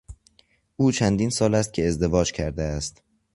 او چندین سال است که ازدواج کرده است.